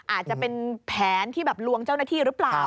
อาจจะเป็นแผนที่แบบลวงเจ้าหน้าที่หรือเปล่า